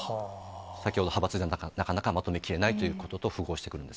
先ほど、派閥ではなかなかまとめきれないということと符合してくるんです